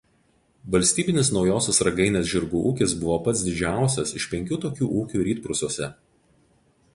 Valstybinis Naujosios Ragainės žirgų ūkis buvo pats didžiausias iš penkių tokių ūkių Rytprūsiuose.